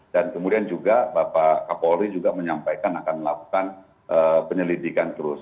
dan kemudian juga bapak kapolri menyampaikan akan melakukan penyelidikan terus